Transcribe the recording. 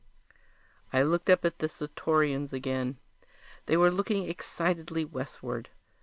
I looked up at the Centaurians again. They were looking excitedly westward.